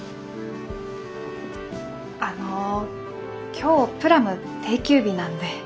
あの今日ぷらむ定休日なんで。